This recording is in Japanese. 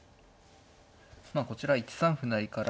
まあこちらは１三歩成から。